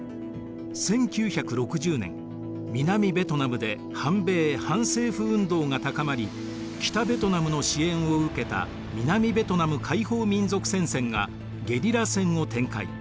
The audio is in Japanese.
１９６０年南ベトナムで反米反政府運動が高まり北ベトナムの支援を受けた南ベトナム解放民族戦線がゲリラ戦を展開